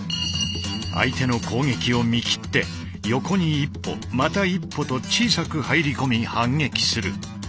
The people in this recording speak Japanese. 相手の攻撃を見切って横に一歩また一歩と小さく入り込み反撃する。